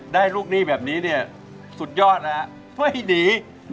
ได้ลูกหนี้แบบนี้เนี่ยสุดยอดนะไม่ดี